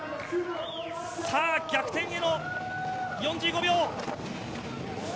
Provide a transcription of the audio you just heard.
さあ、逆転への４５秒。